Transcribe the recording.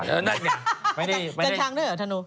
นั่นเนี่ยไม่ได้จัดทางด้วยเหรอธนู